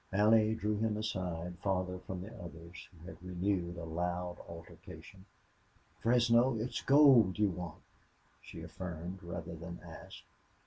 Allie drew him aside, farther from the others, who had renewed a loud altercation. "Fresno, it's gold you want," she affirmed, rather than asked.